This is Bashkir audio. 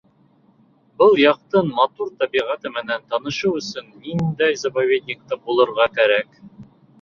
Был яҡтың матур тәбиғәте менән танышыу өсөн ниндәй заповедникта булырға кәрәк?